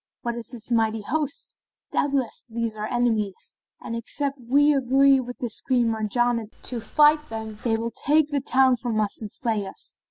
What is this mighty host? Doubtless, these are enemies, and except we agree with this Queen Marjanah to fight them, they will take the town from us and slay us.